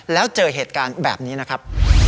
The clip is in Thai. แล้วเจอเหตุการณ์แบบนี้นะครับ